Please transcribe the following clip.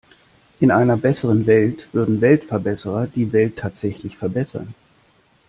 In einer besseren Welt würden Weltverbesserer die Welt tatsächlich verbessern.